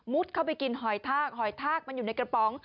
เข้าไปกินหอยทากหอยทากมันอยู่ในกระป๋อง